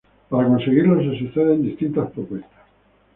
Para conseguirlo se suceden distintas propuestas.